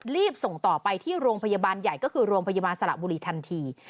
รีบส่งต่อไปที่โรงพยาบาลใหญ่ก็คือโรงพยาบาลสระบุรีทันที